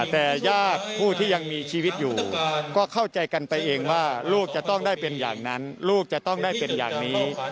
แต่ญาติผู้ที่ยังมีชีวิตอยู่ก็เข้าใจกันไปเองว่าลูกจะต้องได้เป็นอย่างนั้นลูกจะต้องได้เป็นอย่างนี้